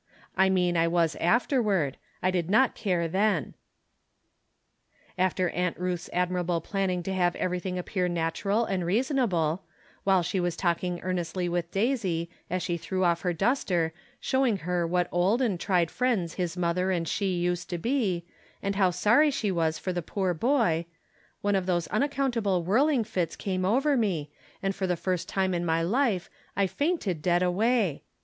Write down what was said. I mean I was afterward — I did not care then. After Aunt Ruth's admirable planiung to have everything appear natural and reasonable — while she was talking earnestly with Daisy, as she threw off her duster, showing her what old and tried friends his mother and she used to be, and how sorry she was for the poor boj — one of those unaccountable whirling fits came over me, and for the first time in my life I fainted dead away.